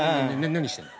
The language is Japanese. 何してるの？